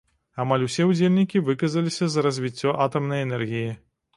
Амаль усе ўдзельнікі выказаліся за развіццё атамнай энергіі.